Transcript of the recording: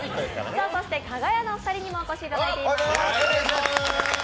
そしてかが屋のお二人にもお越しいただいています。